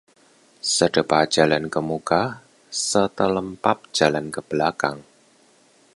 Sedepa jalan kemuka, setelempap jalan kebelakang